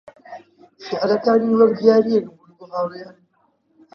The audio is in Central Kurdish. شیعرەکانی وەک دیارییەک بوون بۆ هاوڕێیانی